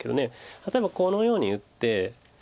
例えばこのように打って。